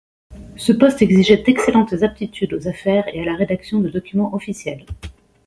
Ce poste exigeait d'excellentes aptitudes aux affaires et à la rédaction de documents officiels.